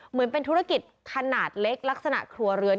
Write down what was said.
เหมือนเป็นธุรกิจขนาดเล็กลักษณะครัวเรือน